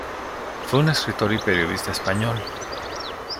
Fue un escritor y periodista español.